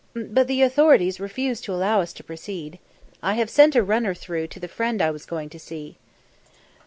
but the authorities refuse to allow us to proceed. I have sent a runner through to the friend I was going to see."